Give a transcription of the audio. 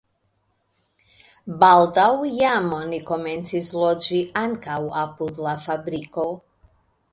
Baldaŭ jam oni komencis loĝi ankaŭ apud la fabriko.